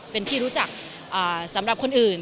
เป็นที่รู้จักสำหรับคนอื่น